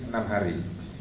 lebih enam hari